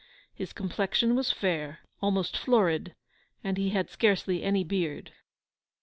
His complexion was fair, almost florid, and he had scarcely any beard.